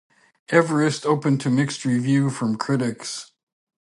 "Everest" opened to mixed review from critics.